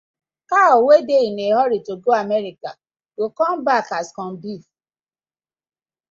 Cow wey dey in a hurry to go America go come back as corn beef: